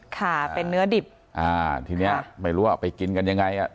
ค่ะเป็นเนื้อดิบอ่าทีเนี้ยไม่รู้ว่าไปกินกันยังไงอ่ะ